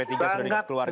kita sudah dikeluarkan